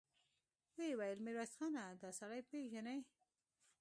ويې ويل: ميرويس خانه! دآسړی پېژنې؟